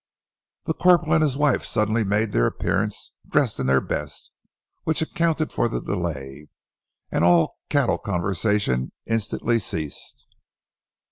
The corporal and his wife suddenly made their appearance, dressed in their best, which accounted for the delay, and all cattle conversation instantly ceased.